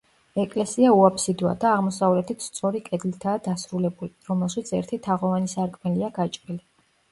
ეკლესია უაფსიდოა და აღმოსავლეთით სწორი კედლითაა დასრულებული, რომელშიც ერთი თაღოვანი სარკმელია გაჭრილი.